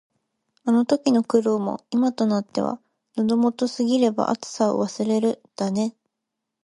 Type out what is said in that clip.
あの時の苦労も、今となっては「喉元過ぎれば熱さを忘れる」だね。